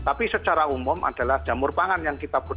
tapi secara umum adalah jamur pangan yang kita butuhkan